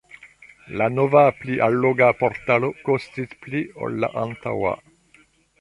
La nova pli alloga portalo kostis pli ol la antaŭa.